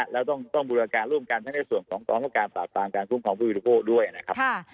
แล้วต้องบูรการร่วมกันทั้งในส่วนของกองประการปราบปรามการคุ้มครองผู้บริโภคด้วยนะครับ